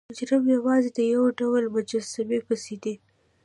مجرم یوازې د یو ډول مجسمو پسې دی.